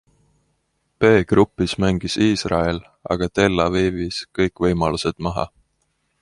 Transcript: B-grupis mängis Iisrael aga Tel Avivis kõik võimalused maha.